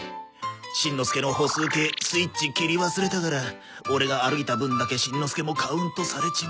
しんのすけの歩数計スイッチ切り忘れたからオレが歩いた分だけしんのすけもカウントされちまうなんて。